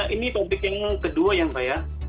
ini pabrik yang kedua ya mbak